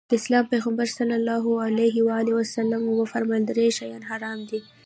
د اسلام پيغمبر ص وفرمايل درې شيان حرام دي.